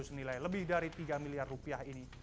senilai lebih dari tiga miliar rupiah ini